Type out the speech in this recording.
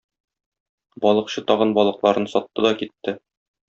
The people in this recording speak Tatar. Балыкчы тагын балыкларын сатты да китте.